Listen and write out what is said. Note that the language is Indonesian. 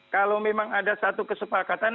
kalau memang ada satu kesepakatan